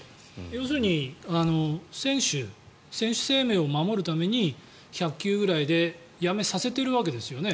要するに選手生命を守るために１００球ぐらいでやめさせてるわけですよね